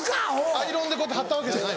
アイロンでこうやって貼ったわけじゃない？